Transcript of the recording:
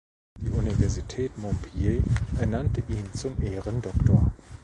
Die Universität Montpellier ernannte ihn zum Ehrendoktor.